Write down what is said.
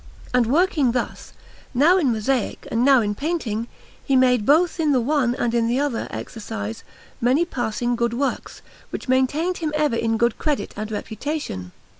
And working thus, now in mosaic and now in painting, he made both in the one and in the other exercise many passing good works, which maintained him ever in good credit and reputation.